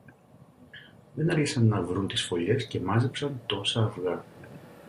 Δεν άργησαν να βρουν τις φωλιές και μάζεψαν τόσα αυγά